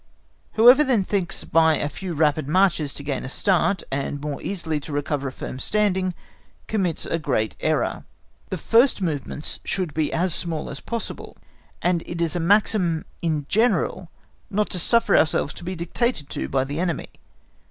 Whoever then thinks by a few rapid marches to gain a start, and more easily to recover a firm standing, commits a great error. The first movements should be as small as possible, and it is a maxim in general not to suffer ourselves to be dictated to by the enemy.